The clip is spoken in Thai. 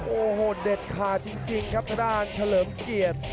โอ้โหเด็ดขาดจริงครับทางด้านเฉลิมเกียรติ